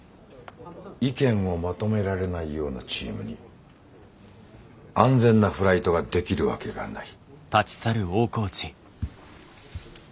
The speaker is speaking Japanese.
意見をまとめられないようなチームに安全なフライトができるわけがない。